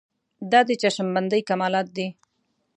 دا د چشم بندۍ کمالات دي.